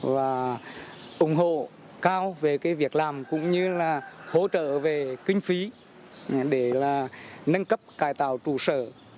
và ủng hộ cao về việc làm cũng như là hỗ trợ về kinh phí để nâng cấp cải tạo trụ sở